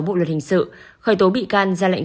bộ luật hình sự khởi tố bị can ra lệnh